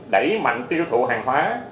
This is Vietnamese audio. đẩy mạnh tiêu thụ hàng hóa